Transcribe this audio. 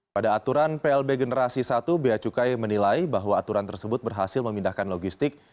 pada aturan p a dan cukai generasi i b a dan cukai menilai bahwa aturan tersebut berhasil memindahkan logistik